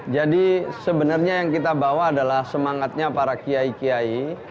jadi sebenarnya yang kita bawa adalah semangatnya para kiai kiai